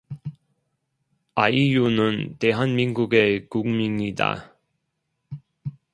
아이유는 대한민국의 국민이다.